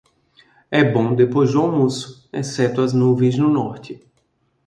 É bom depois do almoço, exceto as nuvens no norte.